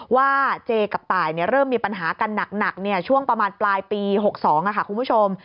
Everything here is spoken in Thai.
ว่าเจกับตายเริ่มมีปัญหากันหนักช่วงประมาณปลายปี๖๒ค่ะคุณผู้ชม